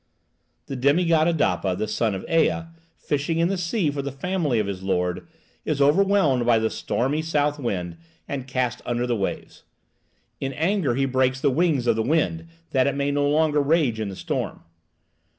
The demigod Adapa, the son of Ea, fishing in the sea for the family of his lord, is overwhelmed by the stormy south wind and cast under the waves. In anger he breaks the wings of the wind, that it may no longer rage in the storm.